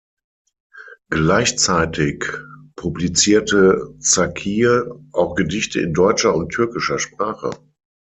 Gleichzeitig publizierte Çakır auch Gedichte in deutscher und türkischer Sprache.